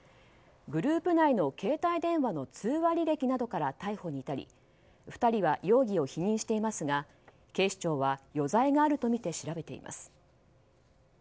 グループ内の携帯電話の通話履歴などから逮捕に至り２人は容疑を否認していますが警視庁は余罪があるとみて調べています。